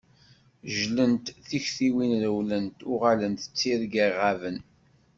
Jlant tektiwin rewlent, uɣalent d tirga iɣaben.